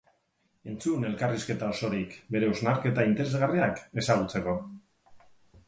Entzun ellkarrizketa osorik bere hausnarketa interesgarriak ezagutzeko.